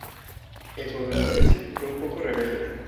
En su adolescencia, fue un poco rebelde.